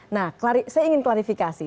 nah saya ingin klarifikasi